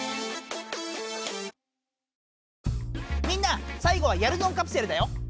みんな最後は「やるぞんカプセル」だよ！